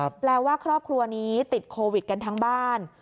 แปลว่าครอบครัวนี้ติดโควิดกันทั้งบ้าน